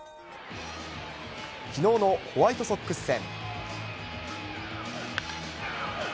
きのうのホワイトソックス戦。